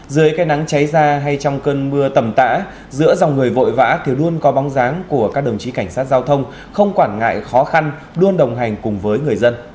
dưới cây nắng cháy ra hay trong cơn mưa tầm tã giữa dòng người vội vã thì luôn có bóng dáng của các đồng chí cảnh sát giao thông không quản ngại khó khăn luôn đồng hành cùng với người dân